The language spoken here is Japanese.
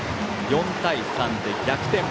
４対３で逆転。